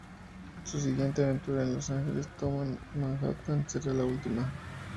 Su siguiente aventura, "Los ángeles toman Manhattan", será la última.